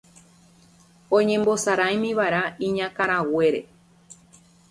oñembosaráimiva'erã iñakãraguére